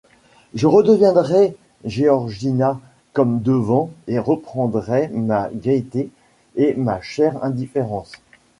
Je redeviendrai Georgina comme devant et reprendrai ma gaieté et ma chère indifférence.